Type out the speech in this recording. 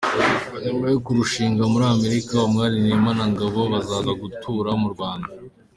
Nyuma yo kurushingira muri Amerika, Umwali Neema na Ngabo bazaza gutura mu Rwanda.